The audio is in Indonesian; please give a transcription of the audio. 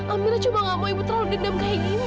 amira cuma nggak mau ibu terlalu dendam kayak gini